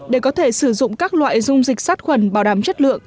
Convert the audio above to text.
để có thể sử dụng các loại dung dịch sát khuẩn bảo đảm chất lượng